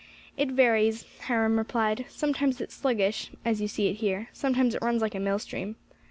"It varies," Hiram replied; "sometimes it's sluggish, as you see it here, sometimes it runs like a mill stream.